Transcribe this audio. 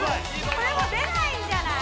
これもう出ないんじゃない？